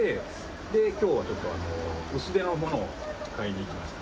で今日はちょっと薄手のものを買いに来ました。